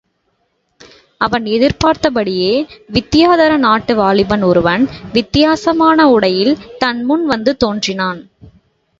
அவன் எதிர்பார்த்தபடியே வித்தியாதர நாட்டு வாலிபன் ஒருவன் வித்தியாசமான உடையில் தன் முன் வந்து தோன்றினான்.